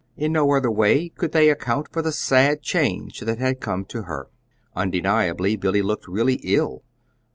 In no other way could they account for the sad change that had come to her. Undeniably Billy looked really ill.